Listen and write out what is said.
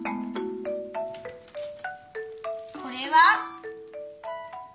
これは？